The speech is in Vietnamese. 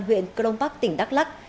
huyện crong park tỉnh đắk lắc